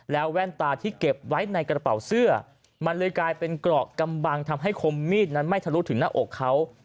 แล้วแว่นตาที่เก็บไว้ในกระเป๋าเสื้อมันเลยกลายเป็นเกราะกำบังทำให้คมมีดนั้นไม่ทะลุถึงหน้าอกเขา